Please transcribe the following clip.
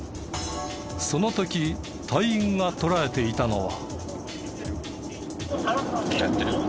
その時隊員が捉えていたのは。